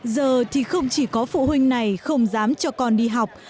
giờ thì không chỉ có phụ huynh này không dám cho con đi học